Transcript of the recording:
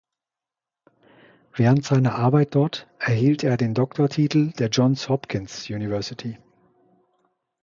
Während seiner Arbeit dort erhielt er den Doktortitel der Johns Hopkins University.